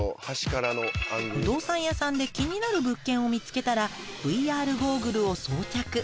不動産屋さんで気になる物件を見つけたらＶＲゴーグルを装着。